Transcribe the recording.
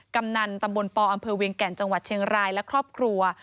กำนันตำบลปอำเภอเวียงแก่นจังหวัดเชียงรายและครอบครัว